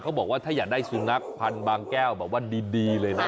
บอกว่าถ้าอยากได้สุนัขพันธ์บางแก้วแบบว่าดีเลยนะ